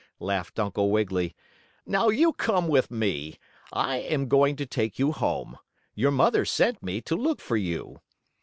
laughed Uncle Wiggily. "Now you come with me. I am going to take you home. Your mother sent me to look for you."